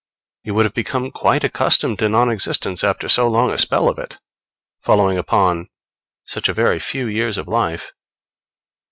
You would have become quite accustomed to non existence after so long a spell of it following upon such a very few years of life.